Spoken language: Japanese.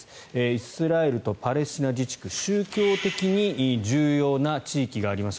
イスラエルとパレスチナ自治区宗教的に重要な地域があります。